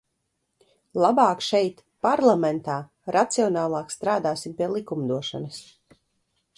Labāk šeit, parlamentā, racionālāk strādāsim pie likumdošanas!